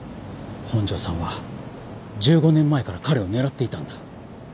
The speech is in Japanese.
本庄さんは１５年前から彼を狙っていたんだ。